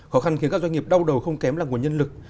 khó khăn khiến các doanh nghiệp đau đầu không kém là nguồn nhân lực